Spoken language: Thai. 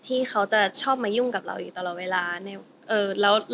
ที่เขาจะชอบมายุ่งกับเราอยู่ตลอดเวลา